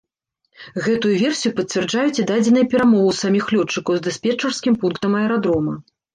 Гэтую версію пацвярджаюць і дадзеныя перамоваў саміх лётчыкаў з дыспетчарскім пунктам аэрадрома.